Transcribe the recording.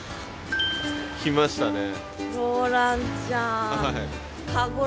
来ましたね。